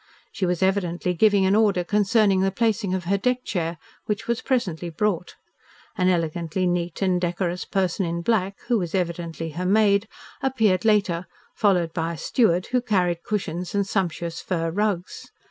She was evidently giving an order concerning the placing of her deck chair, which was presently brought. An elegantly neat and decorous person in black, who was evidently her maid, appeared later, followed by a steward who carried cushions and sumptuous fur rugs.